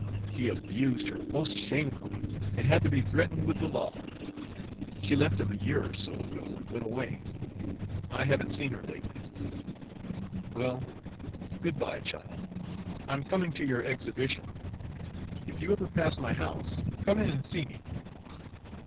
He abused her most shamefully, and had to be threatened with the law. She left him a year or so ago and went away; I haven't seen her lately. Well, good by, child; I'm coming to your exhibition. If you ever pass my house, come in and see me."